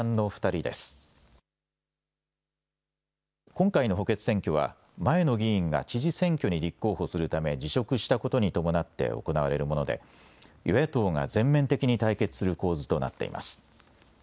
今回の補欠選挙は前の議員が知事選挙に立候補するため辞職したことに伴って行われるもので与野党が全面的に対決する構図となっています。